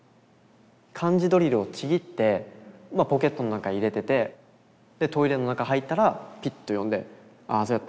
漢字ドリルをちぎってポケットの中入れててでトイレの中入ったらピッと読んで「ああそうやった。